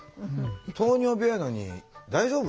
糖尿病やのに大丈夫？